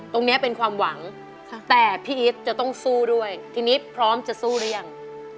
ตรงนี้เป็นความหวังแต่พี่อีทจะต้องสู้ด้วยทีนี้พร้อมจะสู้หรือยัง